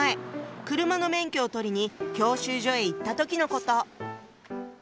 車の免許を取りに教習所へ行った時のこと。